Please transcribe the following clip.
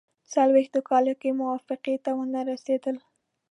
څلوېښتو کالو کې موافقې ته ونه رسېدل.